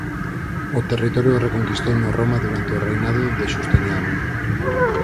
O territorio reconquistouno Roma durante o reinado de Xustiniano.